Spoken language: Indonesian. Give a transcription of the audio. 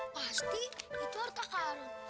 pasti itu harta karun